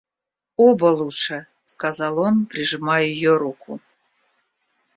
Оба лучше, — сказал он, прижимая ее руку.